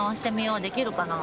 できるかな？